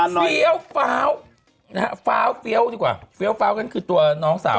ฟีเอลฟาวฟาวฟีเอลดีกว่าฟีเอลฟาวกันคือตัวน้องสาว